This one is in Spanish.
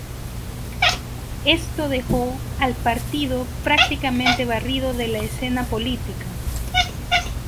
Esto dejó al partido prácticamente barrido de la escena política.